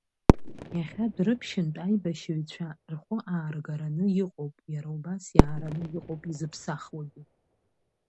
Иахьа Дәрыԥшьынтә аибашьыҩцәа рхәы ааргараны иҟоуп, иара убас иаараны иҟоуп изыԥсахуагьы.